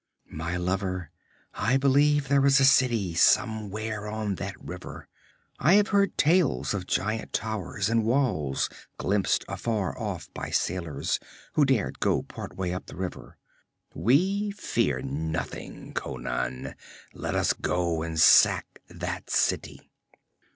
'My lover, I believe there is a city somewhere on that river. I have heard tales of giant towers and walls glimpsed afar off by sailors who dared go part way up the river. We fear nothing: Conan, let us go and sack that city!'